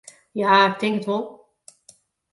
Ja, ik tink it wol.